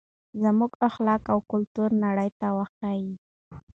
زموږ اخلاق او کلتور نړۍ ته وښایئ.